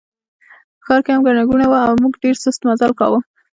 په ښار کې هم ګڼه ګوڼه وه او موږ ډېر سست مزل کاوه.